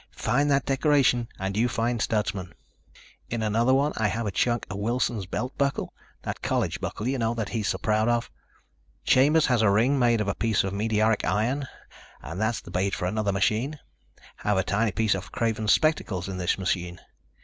Find that decoration and you find Stutsman. In another one I have a chunk of Wilson's belt buckle, that college buckle, you know, that he's so proud of. Chambers has a ring made of a piece of meteoric iron and that's the bait for another machine. Have a tiny piece off Craven's spectacles in his machine.